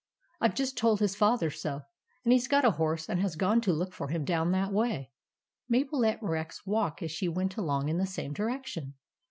I 've just told his father so ; and he 's got a horse and has gone to look for him down that way." Mabel let Rex walk as she went along in the same direction.